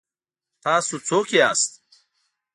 ـ تاسو څوک یاست؟